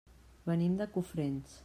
Venim de Cofrents.